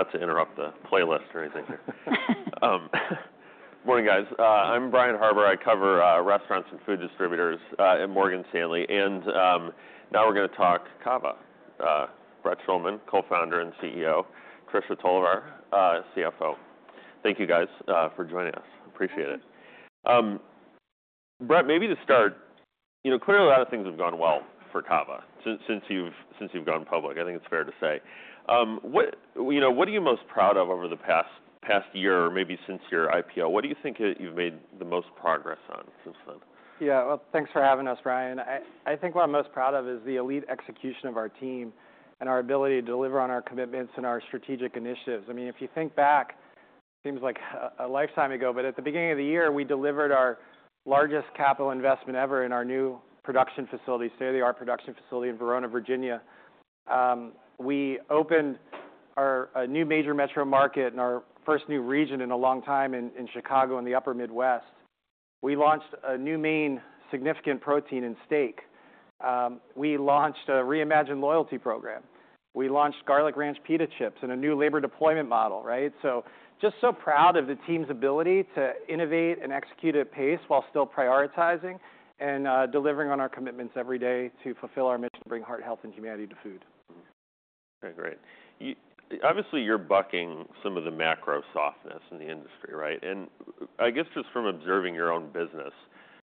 Not to interrupt the playlist or anything here. Morning guys. I'm Brian Harbour. I cover restaurants and food distributors at Morgan Stanley. And now we're gonna talk CAVA. Brett Schulman, Co-founder and CEO; Tricia Tolivar, CFO. Thank you guys for joining us. Appreciate it. Brett, maybe to start, you know, clearly a lot of things have gone well for CAVA since you've gone public. I think it's fair to say. What, you know, what are you most proud of over the past year, or maybe since your IPO? What do you think you've made the most progress on since then? Yeah. Well, thanks for having us, Brian. I think what I'm most proud of is the elite execution of our team and our ability to deliver on our commitments and our strategic initiatives. I mean, if you think back, it seems like a lifetime ago, but at the beginning of the year, we delivered our largest capital investment ever in our new production facility, state-of-the-art production facility in Verona, Virginia. We opened our new major metro market and our first new region in a long time in Chicago in the Upper Midwest. We launched a new main significant protein and steak. We launched a reimagined loyalty program. We launched Garlic Ranch Pita Chips and a new labor deployment model, right? So just so proud of the team's ability to innovate and execute at pace while still prioritizing and delivering on our commitments every day to fulfill our mission to bring heart, health, and humanity to food. Mm-hmm. Okay. Great. You, obviously, you're bucking some of the macro softness in the industry, right? And I guess just from observing your own business,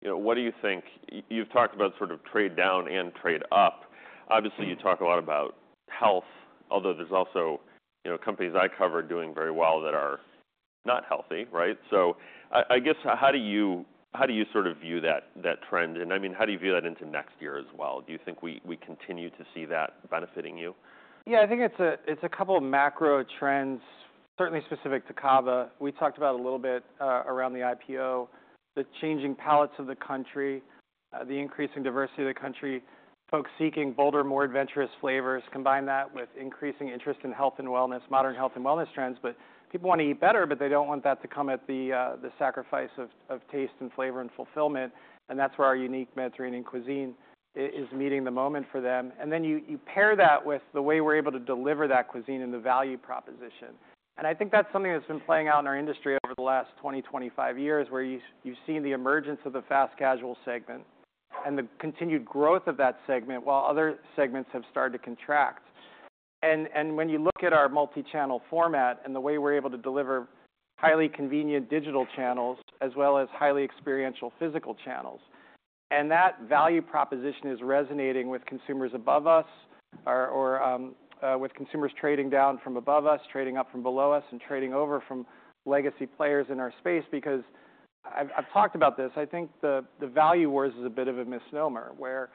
you know, what do you think? You've talked about sort of trade down and trade up. Obviously, you talk a lot about health, although there's also, you know, companies I cover doing very well that are not healthy, right? So I guess, how do you sort of view that trend? And I mean, how do you view that into next year as well? Do you think we continue to see that benefiting you? Yeah. I think it's a couple of macro trends, certainly specific to CAVA. We talked about a little bit around the IPO, the changing palates of the country, the increasing diversity of the country, folks seeking bolder, more adventurous flavors, combined that with increasing interest in health and wellness, modern health and wellness trends. People wanna eat better, but they don't want that to come at the sacrifice of taste and flavor and fulfillment. That's where our unique Mediterranean cuisine is meeting the moment for them. Then you pair that with the way we're able to deliver that cuisine and the value proposition. I think that's something that's been playing out in our industry over the last 20, 25 years where you've seen the emergence of the fast casual segment and the continued growth of that segment while other segments have started to contract. When you look at our multi-channel format and the way we're able to deliver highly convenient digital channels as well as highly experiential physical channels, that value proposition is resonating with consumers above us or with consumers trading down from above us, trading up from below us, and trading over from legacy players in our space because I've talked about this. I think the value wars is a bit of a misnomer where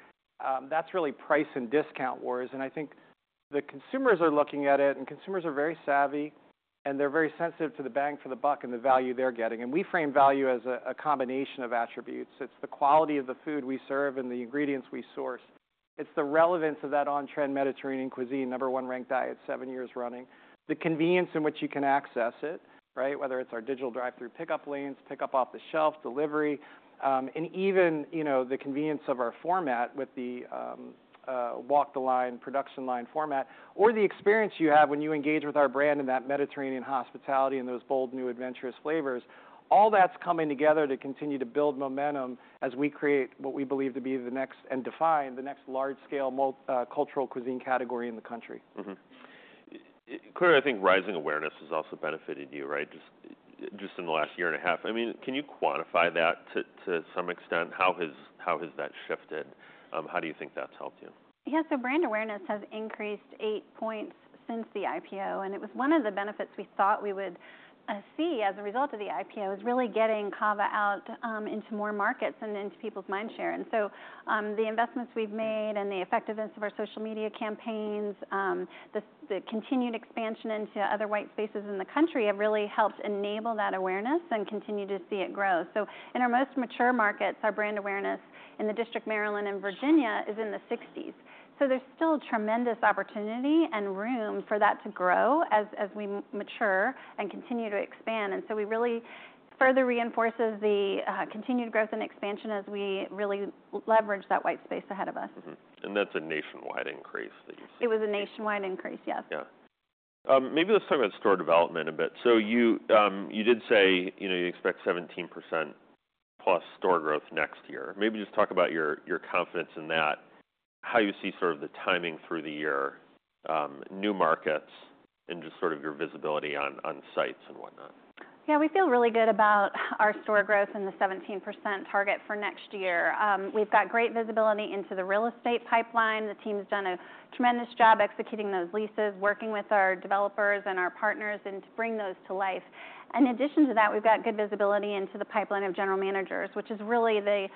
that's really price and discount wars. I think the consumers are looking at it, and consumers are very savvy, and they're very sensitive to the bang for the buck and the value they're getting. We frame value as a combination of attributes. It's the quality of the food we serve and the ingredients we source. It's the relevance of that on-trend Mediterranean cuisine, number one ranked diet seven years running, the convenience in which you can access it, right? Whether it's our digital drive-through pickup lanes, pickup off the shelf, delivery, and even, you know, the convenience of our format with the walk-the-line production-line format or the experience you have when you engage with our brand in that Mediterranean hospitality and those bold, new, adventurous flavors. All that's coming together to continue to build momentum as we create what we believe to be the next and define the next large-scale multicultural cuisine category in the country. Mm-hmm. Clearly, I think rising awareness has also benefited you, right? Just in the last year and a half. I mean, can you quantify that to some extent? How has that shifted? How do you think that's helped you? Yeah. So brand awareness has increased eight points since the IPO. And it was one of the benefits we thought we would see as a result of the IPO is really getting CAVA out into more markets and into people's mind share. And so the investments we've made and the effectiveness of our social media campaigns, the continued expansion into other white spaces in the country have really helped enable that awareness and continue to see it grow. So in our most mature markets, our brand awareness in D.C., Maryland, and Virginia is in the 60s. So there's still tremendous opportunity and room for that to grow as we mature and continue to expand. And so we really further reinforces the continued growth and expansion as we really leverage that white space ahead of us. Mm-hmm. And that's a nationwide increase that you've seen. It was a nationwide increase. Yes. Yeah. Maybe let's talk about store development a bit. So you did say, you know, you expect 17%+ store growth next year. Maybe just talk about your confidence in that, how you see sort of the timing through the year, new markets, and just sort of your visibility on sites and whatnot. Yeah. We feel really good about our store growth and the 17% target for next year. We've got great visibility into the real estate pipeline. The team's done a tremendous job executing those leases, working with our developers and our partners to bring those to life. In addition to that, we've got good visibility into the pipeline of general managers, which is really the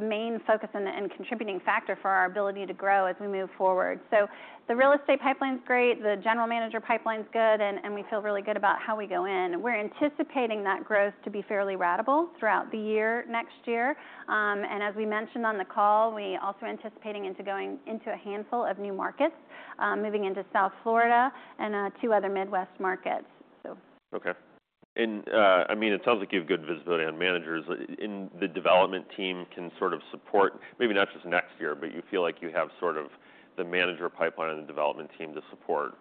main focus and contributing factor for our ability to grow as we move forward. So the real estate pipeline's great. The general manager pipeline's good. And we feel really good about how we go in. We're anticipating that growth to be fairly ratable throughout the year next year, and as we mentioned on the call, we also are anticipating going into a handful of new markets, moving into South Florida and two other Midwest markets. So. Okay. And, I mean, it sounds like you have good visibility on managers. And the development team can sort of support maybe not just next year, but you feel like you have sort of the manager pipeline and the development team to support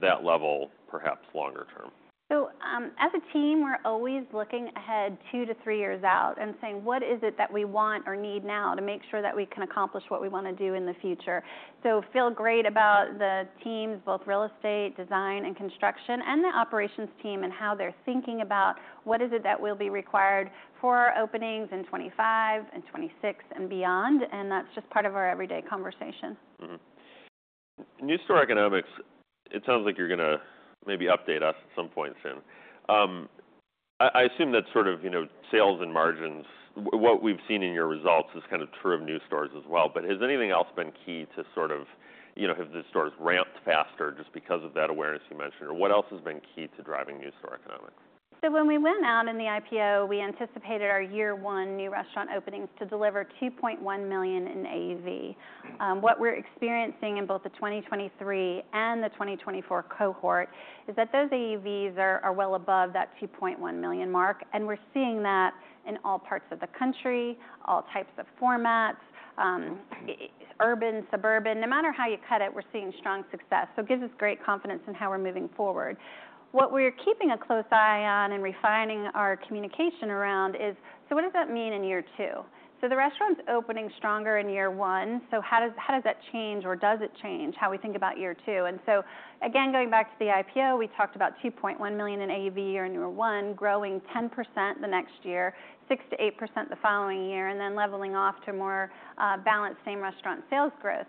that level perhaps longer term. So, as a team, we're always looking ahead two to three years out and saying, "What is it that we want or need now to make sure that we can accomplish what we wanna do in the future?" So feel great about the teams, both real estate, design, and construction, and the operations team and how they're thinking about what is it that will be required for our openings in 2025 and 2026 and beyond. And that's just part of our everyday conversation. Mm-hmm. New store economics, it sounds like you're gonna maybe update us at some point soon. I assume that's sort of, you know, sales and margins. What we've seen in your results is kind of true of new stores as well. But has anything else been key to sort of, you know, have the stores ramped faster just because of that awareness you mentioned? Or what else has been key to driving new store economics? So when we went out in the IPO, we anticipated our year one new restaurant openings to deliver $2.1 million in AUV. What we're experiencing in both the 2023 and the 2024 cohort is that those AUVs are, are well above that $2.1 million mark. And we're seeing that in all parts of the country, all types of formats, urban, suburban. No matter how you cut it, we're seeing strong success. So it gives us great confidence in how we're moving forward. What we're keeping a close eye on and refining our communication around is, so what does that mean in year two? So the restaurant's opening stronger in year one. So how does, how does that change or does it change how we think about year two? And so again, going back to the IPO, we talked about $2.1 million in AUV year on year one, growing 10% the next year, 6%-8% the following year, and then leveling off to more balanced same restaurant sales growth.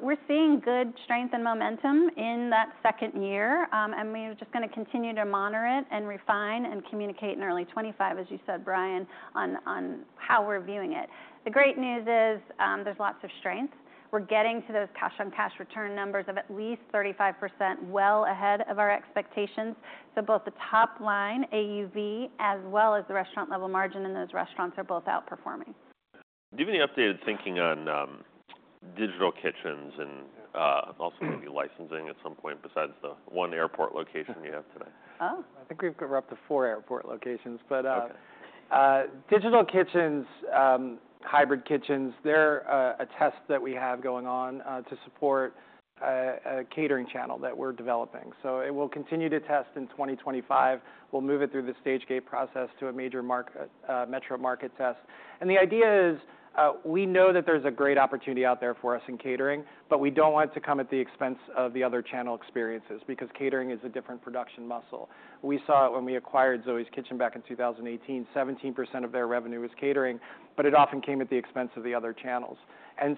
We're seeing good strength and momentum in that second year. We're just gonna continue to monitor it and refine and communicate in early 2025, as you said, Brian, on how we're viewing it. The great news is, there's lots of strength. We're getting to those cash-on-cash return numbers of at least 35% well ahead of our expectations. Both the top line AUV as well as the restaurant level margin in those restaurants are both outperforming. Do you have any updated thinking on digital kitchens and also maybe licensing at some point besides the one airport location you have today? Oh. I think we've got up to four airport locations. But, Okay. Digital kitchens, hybrid kitchens, they're a test that we have going on to support a catering channel that we're developing. So it will continue to test in 2025. We'll move it through the Stage-Gate process to a major market metro market test, and the idea is, we know that there's a great opportunity out there for us in catering, but we don't want it to come at the expense of the other channel experiences because catering is a different production muscle. We saw it when we acquired Zoe's Kitchen back in 2018. 17% of their revenue was catering, but it often came at the expense of the other channels,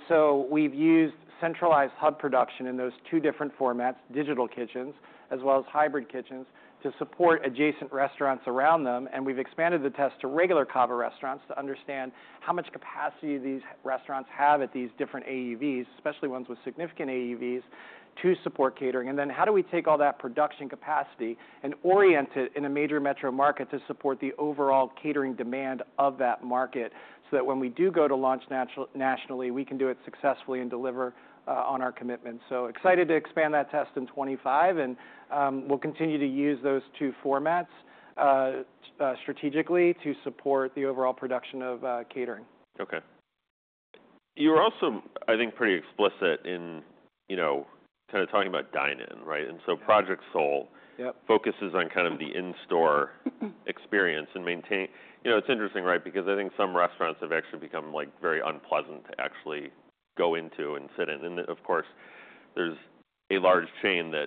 so we've used centralized hub production in those two different formats, digital kitchens as well as hybrid kitchens, to support adjacent restaurants around them. And we've expanded the test to regular CAVA restaurants to understand how much capacity these restaurants have at these different AUVs, especially ones with significant AUVs, to support catering. And then how do we take all that production capacity and orient it in a major metro market to support the overall catering demand of that market so that when we do go to launch nationally, we can do it successfully and deliver on our commitments. So excited to expand that test in 2025. And we'll continue to use those two formats strategically to support the overall production of catering. Okay. You were also, I think, pretty explicit in, you know, kinda talking about dine-in, right? And so Project Soul. Yep. Focuses on kind of the in-store experience and maintain, you know, it's interesting, right? Because I think some restaurants have actually become, like, very unpleasant to actually go into and sit in. And then, of course, there's a large chain that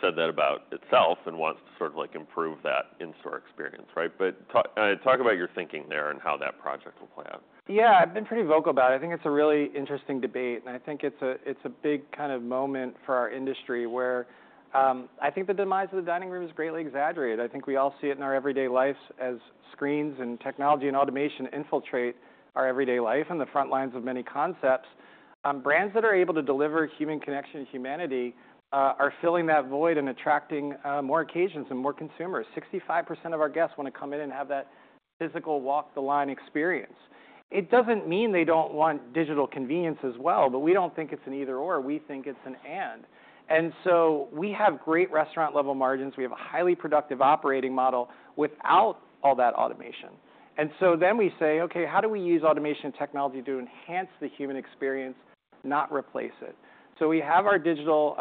said that about itself and wants to sort of, like, improve that in-store experience, right? But talk about your thinking there and how that project will play out. Yeah. I've been pretty vocal about it. I think it's a really interesting debate. And I think it's a big kind of moment for our industry where I think the demise of the dining room is greatly exaggerated. I think we all see it in our everyday lives as screens and technology and automation infiltrate our everyday life and the front lines of many concepts. Brands that are able to deliver human connection and humanity are filling that void and attracting more occasions and more consumers. 65% of our guests wanna come in and have that physical walk-the-line experience. It doesn't mean they don't want digital convenience as well, but we don't think it's an either/or. We think it's an and. And so we have great restaurant level margins. We have a highly productive operating model without all that automation. And so then we say, "Okay. How do we use automation and technology to enhance the human experience, not replace it?" So we have our digital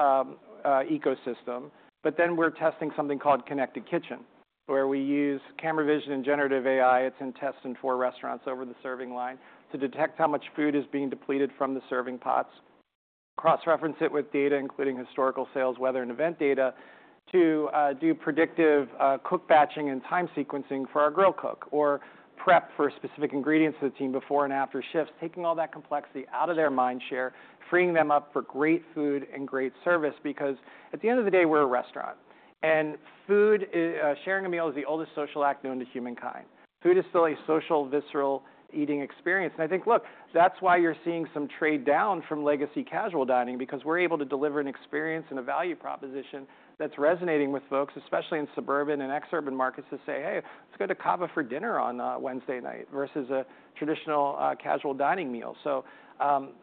ecosystem, but then we're testing something called Connected Kitchen where we use camera vision and generative AI. It's in test in four restaurants over the serving line to detect how much food is being depleted from the serving pots, cross-reference it with data, including historical sales, weather, and event data to do predictive cook batching and time sequencing for our grill cook or prep for specific ingredients to the team before and after shifts, taking all that complexity out of their mind share, freeing them up for great food and great service because at the end of the day, we're a restaurant. And food is, sharing a meal is the oldest social act known to humankind. Food is still a social, visceral eating experience. I think, look, that's why you're seeing some trade down from legacy casual dining because we're able to deliver an experience and a value proposition that's resonating with folks, especially in suburban and exurban markets, to say, "Hey, let's go to CAVA for dinner on Wednesday night versus a traditional casual dining meal."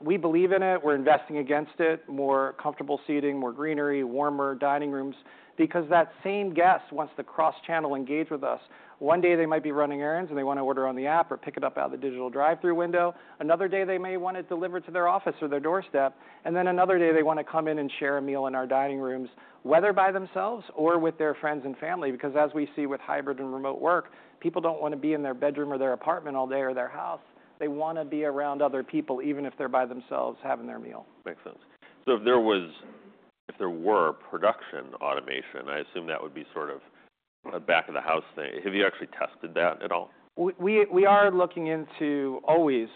We believe in it. We're investing against it. More comfortable seating, more greenery, warmer dining rooms because that same guest, once the cross-channel engage with us, one day they might be running errands and they wanna order on the app or pick it up out of the digital drive-through window. Another day, they may wanna deliver it to their office or their doorstep. Then another day, they wanna come in and share a meal in our dining rooms, whether by themselves or with their friends and family. Because as we see with hybrid and remote work, people don't wanna be in their bedroom or their apartment all day or their house. They wanna be around other people, even if they're by themselves having their meal. Makes sense. So if there was, if there were production automation, I assume that would be sort of a back-of-the-house thing. Have you actually tested that at all? We are looking into ways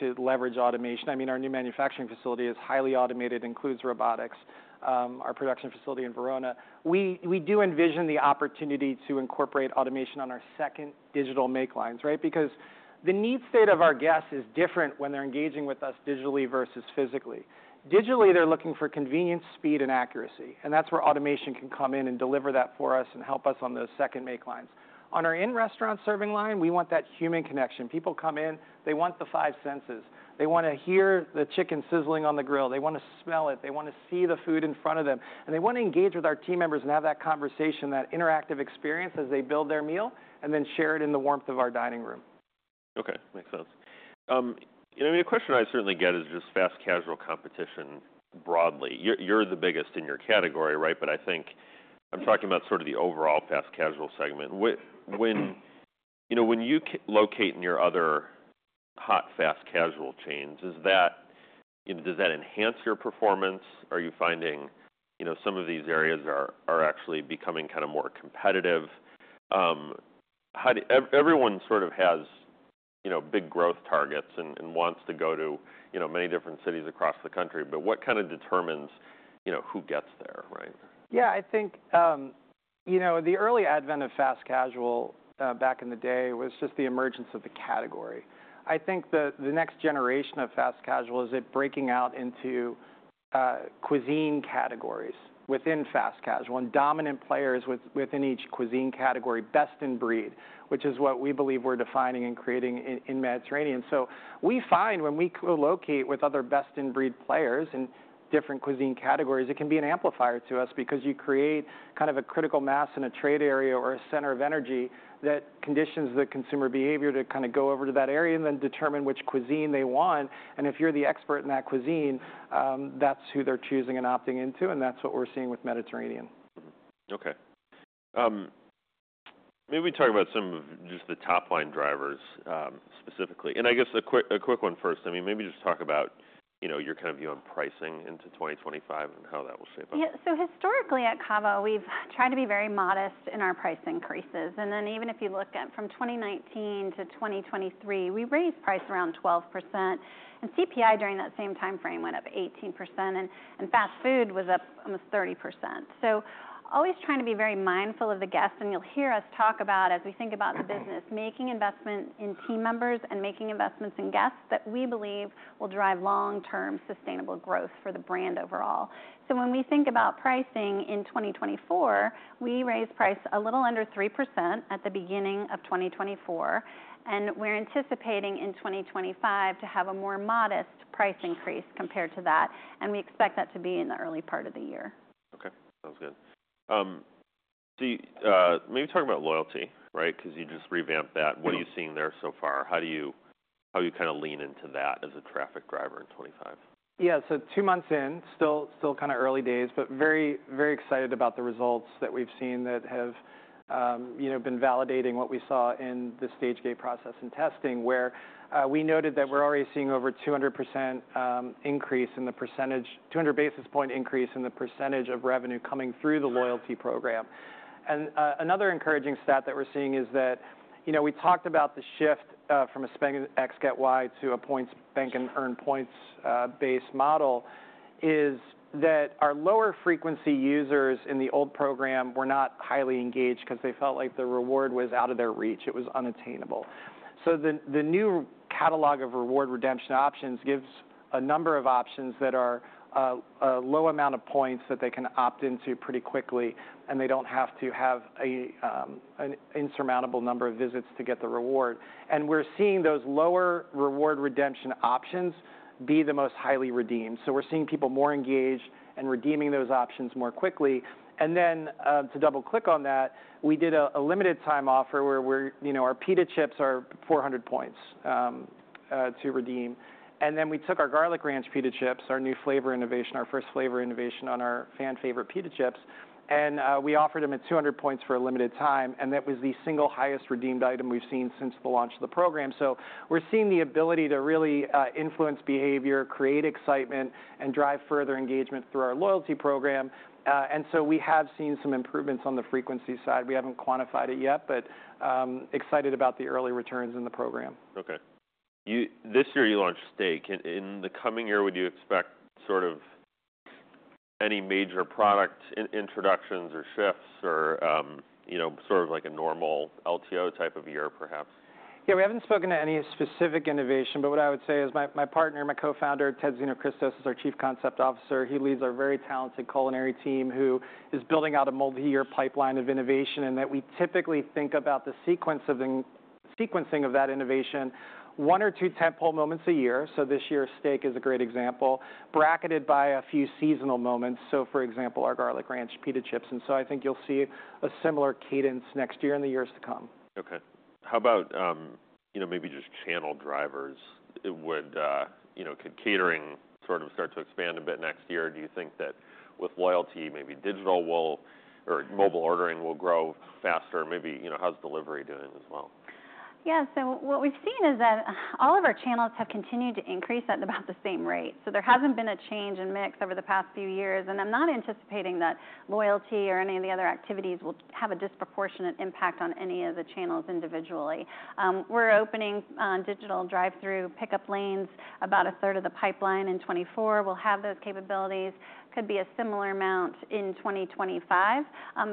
to leverage automation. I mean, our new manufacturing facility is highly automated, includes robotics. Our production facility in Verona. We do envision the opportunity to incorporate automation on our second digital make lines, right? Because the needs state of our guests is different when they're engaging with us digitally versus physically. Digitally, they're looking for convenience, speed, and accuracy. And that's where automation can come in and deliver that for us and help us on those second make lines. On our in-restaurant serving line, we want that human connection. People come in. They want the five senses. They wanna hear the chicken sizzling on the grill. They wanna smell it. They wanna see the food in front of them. They wanna engage with our team members and have that conversation, that interactive experience as they build their meal and then share it in the warmth of our dining room. Okay. Makes sense. You know, I mean, a question I certainly get is just fast casual competition broadly. You're the biggest in your category, right? But I think I'm talking about sort of the overall fast casual segment. When, you know, when you locate in your other hot fast casual chains, is that, you know, does that enhance your performance? Are you finding, you know, some of these areas are actually becoming kinda more competitive? How do everyone sort of has, you know, big growth targets and wants to go to, you know, many different cities across the country. But what kinda determines, you know, who gets there, right? Yeah. I think, you know, the early advent of fast casual, back in the day was just the emergence of the category. I think the, the next generation of fast casual is it breaking out into, cuisine categories within fast casual and dominant players with, within each cuisine category, best in breed, which is what we believe we're defining and creating in, in Mediterranean. So we find when we co-locate with other best in breed players in different cuisine categories, it can be an amplifier to us because you create kind of a critical mass and a trade area or a center of energy that conditions the consumer behavior to kinda go over to that area and then determine which cuisine they want. And if you're the expert in that cuisine, that's who they're choosing and opting into. And that's what we're seeing with Mediterranean. Mm-hmm. Okay. Maybe we talk about some of just the top line drivers, specifically. And I guess a quick one first. I mean, maybe just talk about, you know, your kind of view on pricing into 2025 and how that will shape up. Yeah. So historically at CAVA, we've tried to be very modest in our price increases. And then even if you look at from 2019 to 2023, we raised price around 12%. And CPI during that same timeframe went up 18%. And fast food was up almost 30%. So always trying to be very mindful of the guest. And you'll hear us talk about as we think about the business, making investment in team members and making investments in guests that we believe will drive long-term sustainable growth for the brand overall. So when we think about pricing in 2024, we raised price a little under 3% at the beginning of 2024. And we're anticipating in 2025 to have a more modest price increase compared to that. And we expect that to be in the early part of the year. Okay. Sounds good. Do you, maybe talk about loyalty, right? 'Cause you just revamped that. What are you seeing there so far? How do you, how do you kinda lean into that as a traffic driver in 2025? Yeah. So two months in, still kinda early days, but very, very excited about the results that we've seen that have, you know, been validating what we saw in the Stage-Gate process and testing where we noted that we're already seeing over 200% increase in the percentage, 200 basis point increase in the percentage of revenue coming through the loyalty program. And another encouraging stat that we're seeing is that, you know, we talked about the shift from a spend X get Y to a points bank and earn points based model is that our lower frequency users in the old program were not highly engaged 'cause they felt like the reward was out of their reach. It was unattainable. So the new catalog of reward redemption options gives a number of options that are a low amount of points that they can opt into pretty quickly. And they don't have to have an insurmountable number of visits to get the reward. And we're seeing those lower reward redemption options be the most highly redeemed. So we're seeing people more engaged and redeeming those options more quickly. And then, to double-click on that, we did a limited time offer where we're, you know, our pita chips are 400 points, to redeem. And then we took our Garlic Ranch Pita Chips, our new flavor innovation, our first flavor innovation on our fan-favorite pita chips. And, we offered them at 200 points for a limited time. And that was the single highest redeemed item we've seen since the launch of the program. So we're seeing the ability to really, influence behavior, create excitement, and drive further engagement through our loyalty program. And so we have seen some improvements on the frequency side. We haven't quantified it yet, but excited about the early returns in the program. Okay. This year you launched Stage-Gate. In the coming year, would you expect sort of any major product introductions or shifts or, you know, sort of like a normal LTO type of year perhaps? Yeah. We haven't spoken to any specific innovation. But what I would say is my, my partner, my co-founder, Ted Xenohristos, is our Chief Concept Officer. He leads our very talented culinary team who is building out a multi-year pipeline of innovation and that we typically think about the sequence of the sequencing of that innovation, one or two tentpole moments a year. So this year, steak is a great example, bracketed by a few seasonal moments. So, for example, our Garlic Ranch pita chips. And so I think you'll see a similar cadence next year and the years to come. Okay. How about, you know, maybe just channel drivers? Would, you know, could catering sort of start to expand a bit next year? Do you think that with loyalty, maybe digital will or mobile ordering will grow faster? Maybe, you know, how's delivery doing as well? Yeah. So what we've seen is that all of our channels have continued to increase at about the same rate. So there hasn't been a change in mix over the past few years. And I'm not anticipating that loyalty or any of the other activities will have a disproportionate impact on any of the channels individually. We're opening digital drive-through pickup lanes about a third of the pipeline in 2024. We'll have those capabilities. Could be a similar amount in 2025.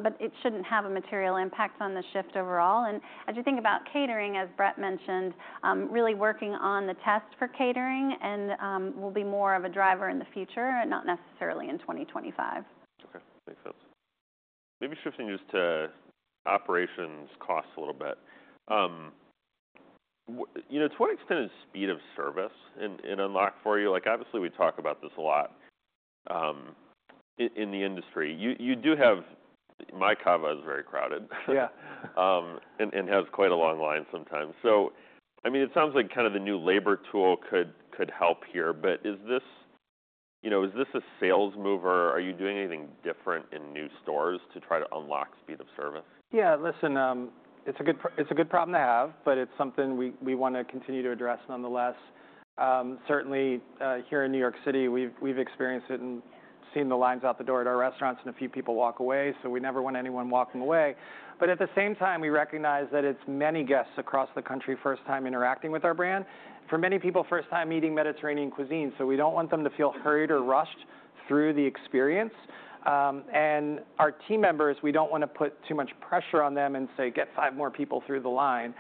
But it shouldn't have a material impact on the shift overall. And as you think about catering, as Brett mentioned, really working on the test for catering and will be more of a driver in the future and not necessarily in 2025. Okay. Makes sense. Maybe shifting just to operations cost a little bit. You know, to what extent is speed of service an unlock for you? Like, obviously, we talk about this a lot in the industry. You know, CAVA is very crowded. Yeah. and has quite a long line sometimes. So, I mean, it sounds like kinda the new labor tool could help here. But is this, you know, is this a sales mover? Are you doing anything different in new stores to try to unlock speed of service? Yeah. Listen, it's a good, it's a good problem to have, but it's something we, we wanna continue to address nonetheless. Certainly, here in New York City, we've, we've experienced it and seen the lines out the door at our restaurants and a few people walk away. So we never want anyone walking away. But at the same time, we recognize that it's many guests across the country first time interacting with our brand. For many people, first time eating Mediterranean cuisine. So we don't want them to feel hurried or rushed through the experience, and our team members, we don't wanna put too much pressure on them and say, "Get five more people through the line,"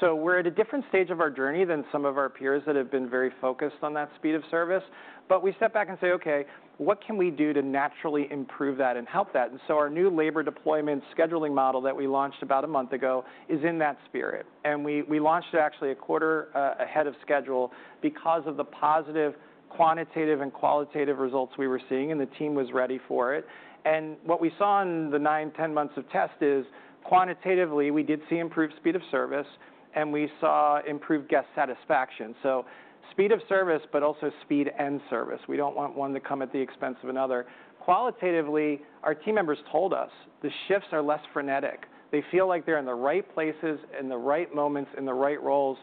so we're at a different stage of our journey than some of our peers that have been very focused on that speed of service. But we step back and say, "Okay, what can we do to naturally improve that and help that?" And so our new labor deployment scheduling model that we launched about a month ago is in that spirit. And we launched it actually a quarter ahead of schedule because of the positive quantitative and qualitative results we were seeing. And the team was ready for it. And what we saw in the 9-10 months of test is quantitatively, we did see improved speed of service and we saw improved guest satisfaction. So speed of service, but also speed and service. We don't want one to come at the expense of another. Qualitatively, our team members told us the shifts are less frenetic. They feel like they're in the right places, in the right moments, in the right roles,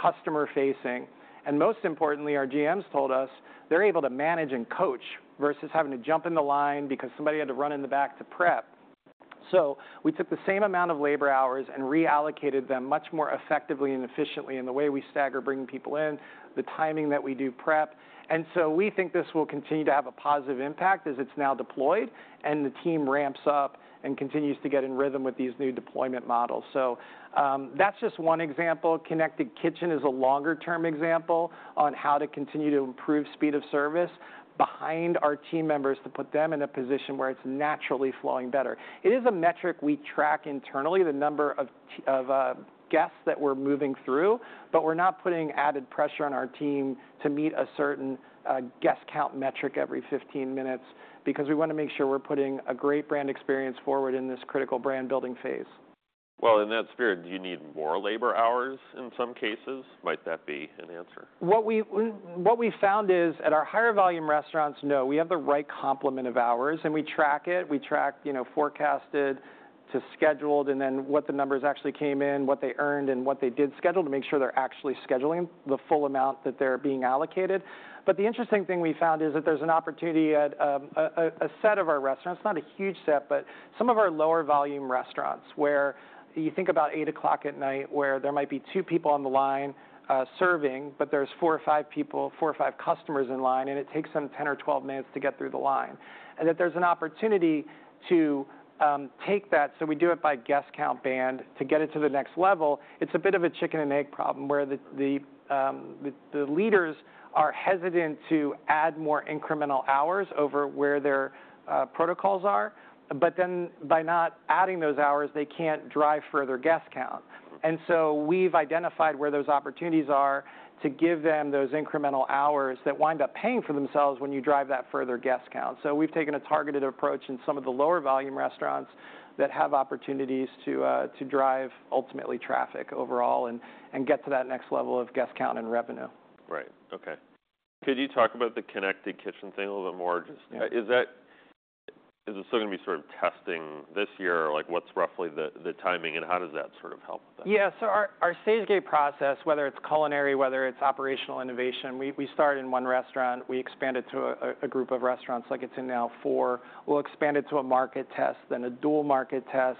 customer-facing. Most importantly, our GMs told us they're able to manage and coach versus having to jump in the line because somebody had to run in the back to prep. So we took the same amount of labor hours and reallocated them much more effectively and efficiently in the way we stagger bringing people in, the timing that we do prep. And so we think this will continue to have a positive impact as it's now deployed and the team ramps up and continues to get in rhythm with these new deployment models. So, that's just one example. Connected Kitchen is a longer-term example on how to continue to improve speed of service behind our team members to put them in a position where it's naturally flowing better. It is a metric we track internally, the number of guests that we're moving through. But we're not putting added pressure on our team to meet a certain guest count metric every 15 minutes because we wanna make sure we're putting a great brand experience forward in this critical brand-building phase. In that spirit, do you need more labor hours in some cases? Might that be an answer? What we found is at our higher volume restaurants we have the right complement of hours and we track it. We track, you know, forecasted to scheduled and then what the numbers actually came in, what they earned, and what they did schedule to make sure they're actually scheduling the full amount that they're being allocated. But the interesting thing we found is that there's an opportunity at a set of our restaurants, not a huge set, but some of our lower volume restaurants where you think about 8:00 P.M. where there might be two people on the line, serving, but there's four or five people, four or five customers in line and it takes them 10 or 12 minutes to get through the line, and that there's an opportunity to take that. So we do it by guest count band to get it to the next level. It's a bit of a chicken and egg problem where the leaders are hesitant to add more incremental hours over where their protocols are. But then by not adding those hours, they can't drive further guest count. And so we've identified where those opportunities are to give them those incremental hours that wind up paying for themselves when you drive that further guest count. So we've taken a targeted approach in some of the lower volume restaurants that have opportunities to drive ultimately traffic overall and get to that next level of guest count and revenue. Right. Okay. Could you talk about the Connected Kitchen thing a little bit more? Just, is that, is it still gonna be sort of testing this year? Like, what's roughly the timing and how does that sort of help with that? Yeah. So our Stage-Gate process, whether it's culinary, whether it's operational innovation, we start in one restaurant. We expand it to a group of restaurants like it's in now four. We'll expand it to a market test, then a dual market test,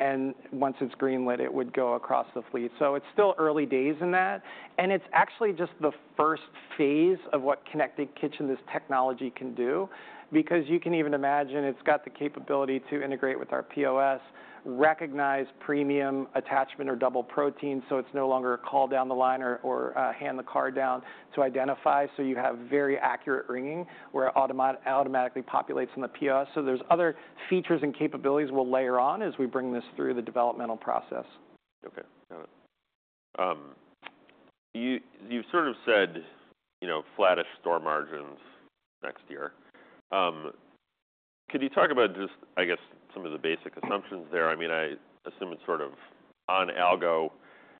and once it's greenlit, it would go across the fleet, so it's still early days in that, and it's actually just the first phase of what Connected Kitchen, this technology can do because you can even imagine it's got the capability to integrate with our POS, recognize premium attachment or double protein, so it's no longer a call down the line or hand the card down to identify, so you have very accurate ringing where it automatically populates in the POS, so there's other features and capabilities we'll layer on as we bring this through the developmental process. Okay. Got it. You, you've sort of said, you know, flattish store margins next year. Could you talk about just, I guess, some of the basic assumptions there? I mean, I assume it's sort of on algo,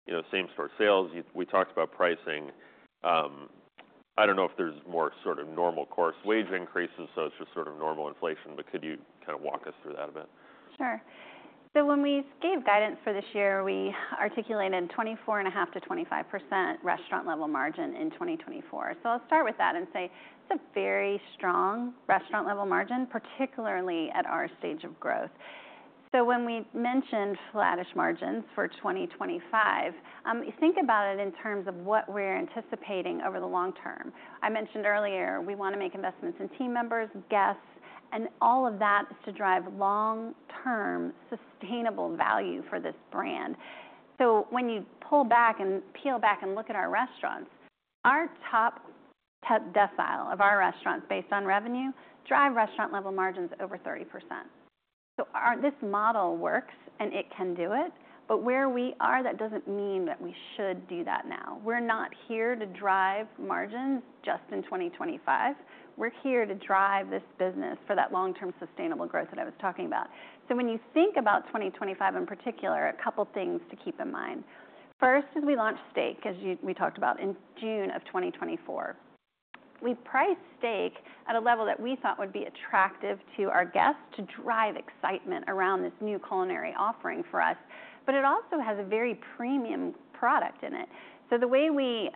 you know, same store sales. You, we talked about pricing. I don't know if there's more sort of normal course wage increases. So it's just sort of normal inflation. But could you kinda walk us through that a bit? Sure. So when we gave guidance for this year, we articulated 24.5%-25% restaurant-level margin in 2024. So I'll start with that and say it's a very strong restaurant-level margin, particularly at our stage of growth. So when we mentioned flattish margins for 2025, think about it in terms of what we're anticipating over the long term. I mentioned earlier we wanna make investments in team members, guests, and all of that is to drive long-term sustainable value for this brand. So when you pull back and peel back and look at our restaurants, our top decile of our restaurants based on revenue drive restaurant-level margins over 30%. So our model works and it can do it. But where we are, that doesn't mean that we should do that now. We're not here to drive margins just in 2025. We're here to drive this business for that long-term sustainable growth that I was talking about. So when you think about 2025 in particular, a couple things to keep in mind. First, as we launched steak, as we talked about in June of 2024, we priced steak at a level that we thought would be attractive to our guests to drive excitement around this new culinary offering for us. But it also has a very premium product in it. So the way we,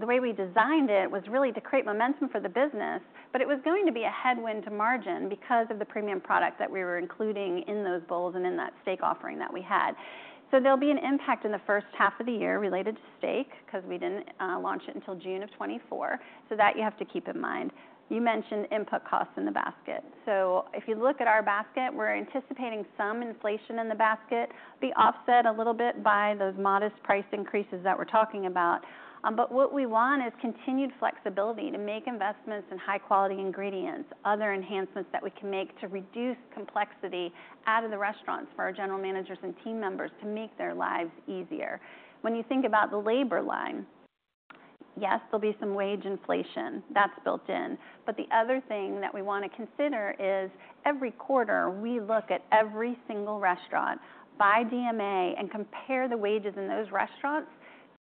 the way we designed it was really to create momentum for the business, but it was going to be a headwind to margin because of the premium product that we were including in those bowls and in that steak offering that we had. So there'll be an impact in the first half of the year related to steak 'cause we didn't launch it until June of 2024. So that you have to keep in mind. You mentioned input costs in the basket. So if you look at our basket, we're anticipating some inflation in the basket, be offset a little bit by those modest price increases that we're talking about. But what we want is continued flexibility to make investments in high-quality ingredients, other enhancements that we can make to reduce complexity out of the restaurants for our general managers and team members to make their lives easier. When you think about the labor line, yes, there'll be some wage inflation that's built in. But the other thing that we wanna consider is every quarter we look at every single restaurant by DMA and compare the wages in those restaurants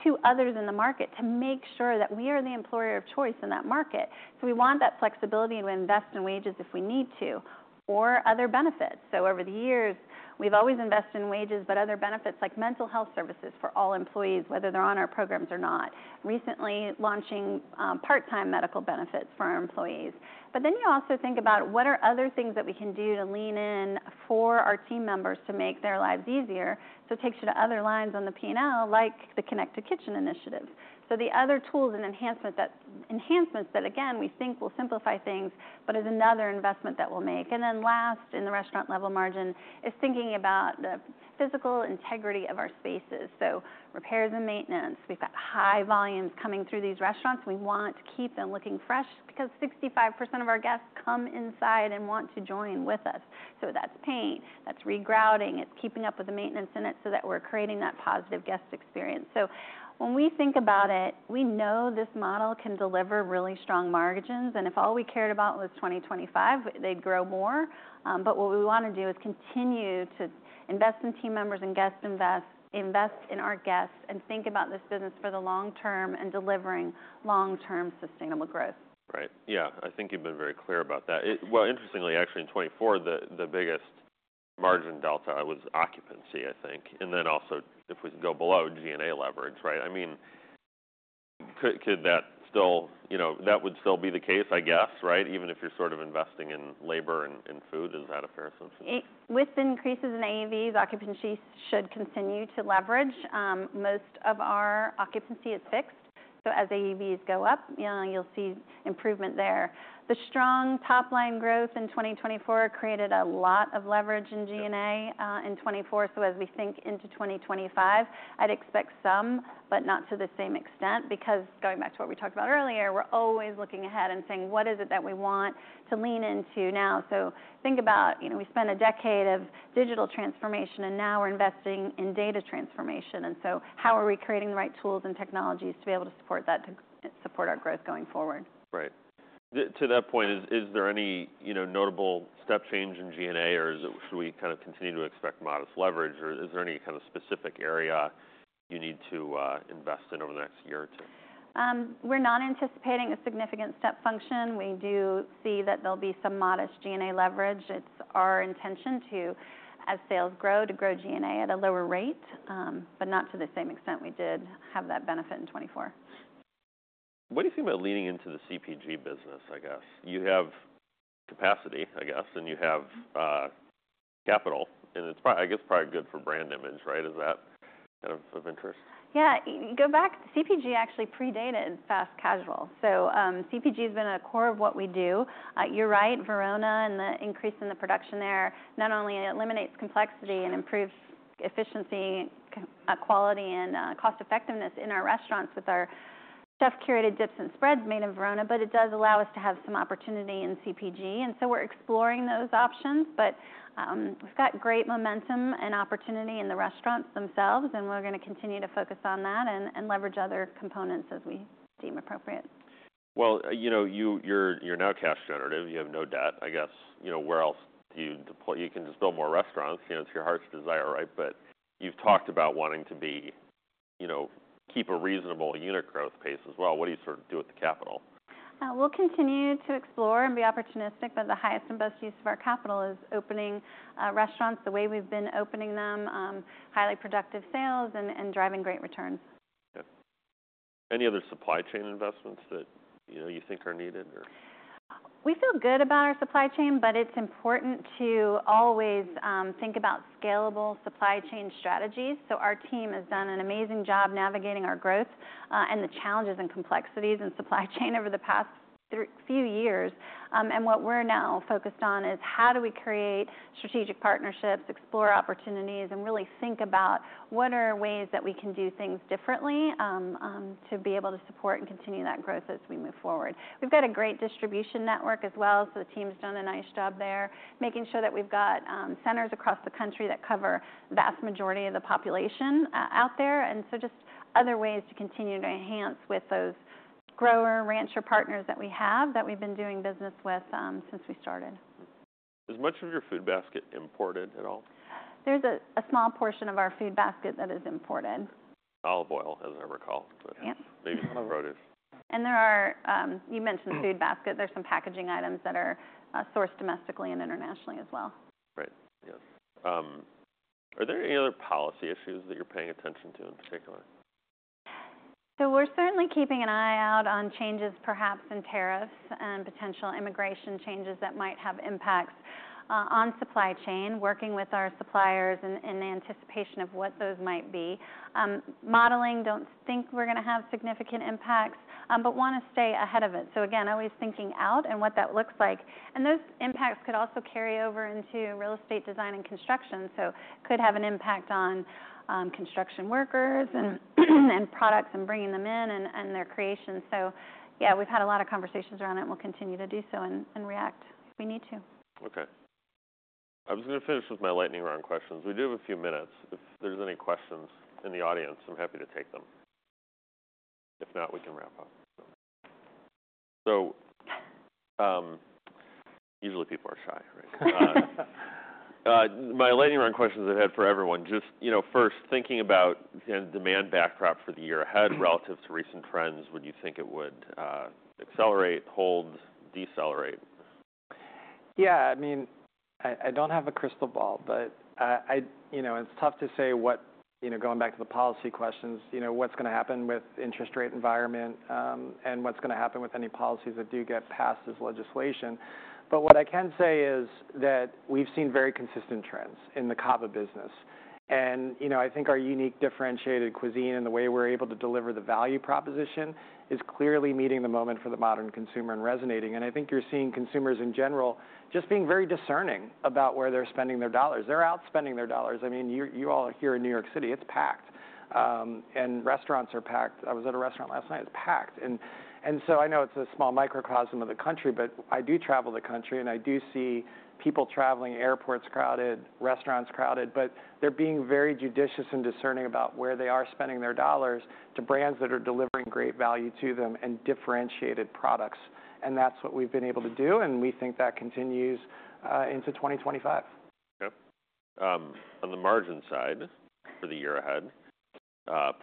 to others in the market to make sure that we are the employer of choice in that market. So we want that flexibility to invest in wages if we need to or other benefits. So over the years, we've always invested in wages, but other benefits like mental health services for all employees, whether they're on our programs or not. Recently launching, part-time medical benefits for our employees. But then you also think about what are other things that we can do to lean in for our team members to make their lives easier. So it takes you to other lines on the P&L like the Connected Kitchen initiative. So the other tools and enhancements that, again, we think will simplify things, but is another investment that we'll make. And then last in the restaurant-level margin is thinking about the physical integrity of our spaces. So repairs and maintenance. We've got high volumes coming through these restaurants. We want to keep them looking fresh because 65% of our guests come inside and want to join with us. So that's paint, that's regrouting, it's keeping up with the maintenance in it so that we're creating that positive guest experience. So when we think about it, we know this model can deliver really strong margins. And if all we cared about was 2025, they'd grow more. But what we wanna do is continue to invest in team members and guests and think about this business for the long term and delivering long-term sustainable growth. Right. Yeah. I think you've been very clear about that. Well, interestingly, actually in 2024, the biggest margin delta was occupancy, I think. And then also if we go below G&A leverage, right? I mean, could that still, you know, that would still be the case, I guess, right? Even if you're sort of investing in labor and food, is that a fair assumption? With increases in AUVs, occupancy should continue to leverage. Most of our occupancy is fixed. So as AUVs go up, you know, you'll see improvement there. The strong top line growth in 2024 created a lot of leverage in G&A, in 2024. So as we think into 2025, I'd expect some, but not to the same extent because going back to what we talked about earlier, we're always looking ahead and saying, what is it that we want to lean into now? So think about, you know, we spent a decade of digital transformation and now we're investing in data transformation. And so how are we creating the right tools and technologies to be able to support that to support our growth going forward? Right. To that point, is there any, you know, notable step change in G&A or should we kind of continue to expect modest leverage or is there any kind of specific area you need to invest in over the next year or two? We're not anticipating a significant step function. We do see that there'll be some modest G&A leverage. It's our intention to, as sales grow, to grow G&A at a lower rate, but not to the same extent we did have that benefit in 2024. What do you think about leaning into the CPG business, I guess? You have capacity, I guess, and you have, capital. And it's probably, I guess, good for brand image, right? Is that kind of interest? Yeah. You go back, CPG actually predated fast casual. So, CPG has been at the core of what we do. You're right, Verona and the increase in the production there not only eliminates complexity and improves efficiency, quality and cost effectiveness in our restaurants with our chef-curated dips and spreads made in Verona, but it does allow us to have some opportunity in CPG. And so we're exploring those options. But we've got great momentum and opportunity in the restaurants themselves, and we're gonna continue to focus on that and leverage other components as we deem appropriate. Well, you know, you're now cash generative. You have no debt, I guess. You know, where else do you deploy? You can just build more restaurants, you know, it's your heart's desire, right? But you've talked about wanting to be, you know, keep a reasonable unit growth pace as well. What do you sort of do with the capital? We'll continue to explore and be opportunistic, but the highest and best use of our capital is opening restaurants the way we've been opening them, highly productive sales and driving great returns. Yeah. Any other supply chain investments that, you know, you think are needed or? We feel good about our supply chain, but it's important to always think about scalable supply chain strategies, so our team has done an amazing job navigating our growth, and the challenges and complexities in supply chain over the past few years, and what we're now focused on is how do we create strategic partnerships, explore opportunities, and really think about what are ways that we can do things differently, to be able to support and continue that growth as we move forward. We've got a great distribution network as well, so the team's done a nice job there making sure that we've got centers across the country that cover the vast majority of the population out there. And so just other ways to continue to enhance with those grower rancher partners that we have that we've been doing business with since we started. Is much of your food basket imported at all? There's a small portion of our food basket that is imported. Olive oil, as I recall. Yep. Maybe olive oil is. There are, you mentioned, food basket. There's some packaging items that are sourced domestically and internationally as well. Right. Yes. Are there any other policy issues that you're paying attention to in particular? So we're certainly keeping an eye out on changes, perhaps in tariffs and potential immigration changes that might have impacts on supply chain, working with our suppliers in anticipation of what those might be. Modeling, don't think we're gonna have significant impacts, but wanna stay ahead of it. So again, always thinking out and what that looks like. And those impacts could also carry over into real estate design and construction. So could have an impact on construction workers and products and bringing them in and their creation. So yeah, we've had a lot of conversations around it and we'll continue to do so and react if we need to. Okay. I'm just gonna finish with my lightning round questions. We do have a few minutes. If there's any questions in the audience, I'm happy to take them. If not, we can wrap up. So, usually people are shy, right? My lightning round questions I've had for everyone. Just, you know, first thinking about, you know, demand backdrop for the year ahead relative to recent trends, would you think it would accelerate, hold, decelerate? Yeah. I mean, I don't have a crystal ball, but you know, it's tough to say what, you know, going back to the policy questions, you know, what's gonna happen with interest rate environment, and what's gonna happen with any policies that do get passed as legislation. But what I can say is that we've seen very consistent trends in the CAVA business. And, you know, I think our unique differentiated cuisine and the way we're able to deliver the value proposition is clearly meeting the moment for the modern consumer and resonating. And I think you're seeing consumers in general just being very discerning about where they're spending their dollars. They're out spending their dollars. I mean, you all are here in New York City. It's packed. And restaurants are packed. I was at a restaurant last night. It's packed. And so I know it's a small microcosm of the country, but I do travel the country and I do see people traveling, airports crowded, restaurants crowded, but they're being very judicious and discerning about where they are spending their dollars to brands that are delivering great value to them and differentiated products. And that's what we've been able to do. And we think that continues into 2025. Yep. On the margin side for the year ahead,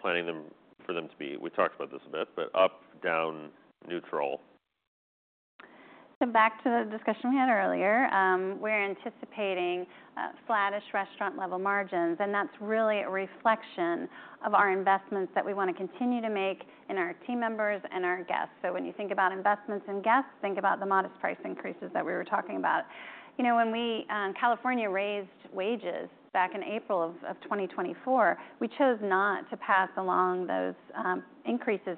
planning them for them to be, we talked about this a bit, but up, down, neutral. So back to the discussion we had earlier, we're anticipating flattish restaurant-level margins. And that's really a reflection of our investments that we wanna continue to make in our team members and our guests. So when you think about investments in guests, think about the modest price increases that we were talking about. You know, when California raised wages back in April of 2024, we chose not to pass along those increases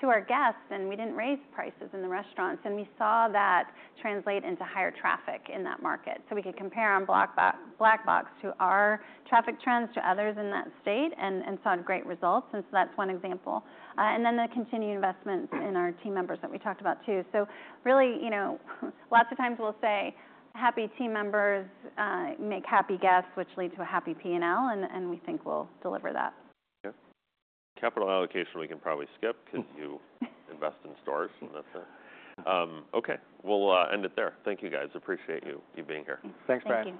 to our guests. And we didn't raise prices in the restaurants. And we saw that translate into higher traffic in that market. So we could compare on Black Box to our traffic trends to others in that state and saw great results. And so that's one example. And then the continued investments in our team members that we talked about too. So really, you know, lots of times we'll say happy team members make happy guests, which lead to a happy P&L. And we think we'll deliver that. Yep. Capital allocation we can probably skip 'cause you invest in stores. And that's it. Okay. We'll end it there. Thank you guys. Appreciate you being here. Thanks, Brian.